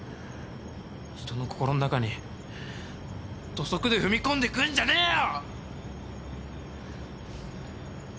人の心の中に土足で踏み込んでくんじゃねえよ！